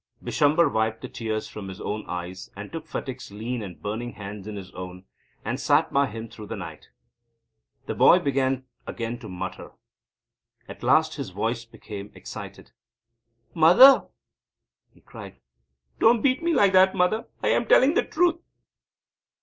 Bishamber wiped the tears from his own eyes, and took Phatik's lean and burning hands in his own, and sat by him through the night. The boy began again to mutter. At last his voice became excited: "Mother," he cried, "don't beat me like that! Mother! I am telling the truth!"